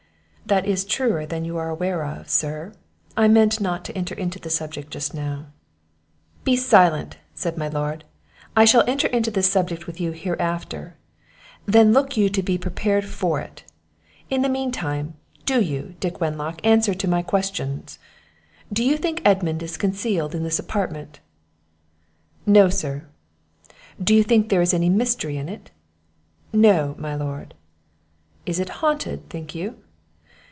"That is truer than you are aware of, sir; I meant not to enter into the subject just now." "Be silent," said my Lord. "I shall enter into this subject with you hereafter then look you be prepared for it. In the mean time, do you, Dick Wenlock, answer to my questions: Do you think Edmund is concealed in this apartment?" "No, sir." "Do you think there is any mystery in it?" "No, my lord." "Is it haunted, think you?"